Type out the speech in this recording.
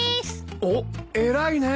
おっ偉いねえ。